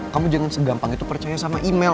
kamu jangan segampang itu percaya sama email